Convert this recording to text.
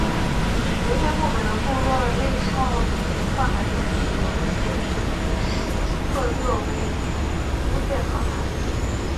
留在漠北的部落立昭礼可汗的弟弟乌希特勒为乌介可汗。